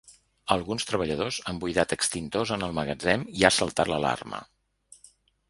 Alguns treballadors han buidat extintors en el magatzem i ha saltat l’alarma.